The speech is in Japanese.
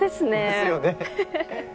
ですよね。